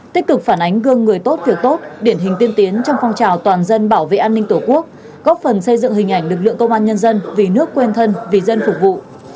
tích cực phản ánh gương người tốt việc tốt điển hình tiên tiến trong phong trào toàn dân bảo vệ an ninh tổ quốc góp phần xây dựng hình ảnh lực lượng công an nhân dân vì nước quên thân vì dân phục vụ